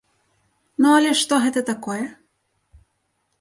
Ну але што гэта такое?